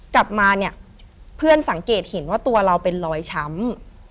กลับมาเนี่ยเพื่อนสังเกตเห็นว่าตัวเราเป็นรอยช้ำ